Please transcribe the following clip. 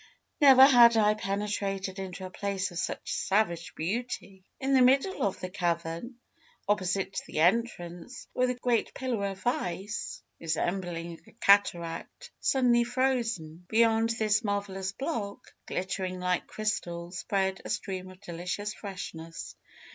Never had I penetrated into a place of such savage beauty. In the middle of the cavern, opposite the entrance, was a great pillar of ice, resembling a cataract suddenly frozen. Beyond this marvellous block, glittering like crystal, spread a stream of delicious freshness.